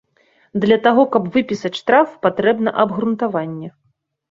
Для таго каб выпісаць штраф, патрэбна абгрунтаванне.